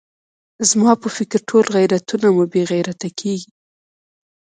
زما په فکر ټول غیرتونه مو بې غیرته کېږي.